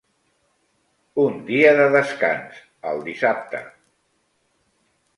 Un dia de descans el dissabte.